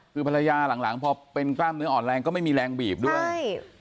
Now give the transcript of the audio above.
คือภรรยาหลังพอเป็นกล้ามเนื้ออ่อนแรงก็ไม่มีแรงบีบด้วยใช่